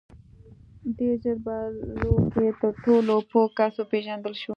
• ډېر ژر په لو کې تر ټولو پوه کس وپېژندل شو.